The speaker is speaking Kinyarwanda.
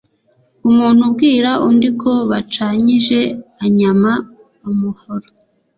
umuntu ubwira undi ko bacanyije anyama umuhoro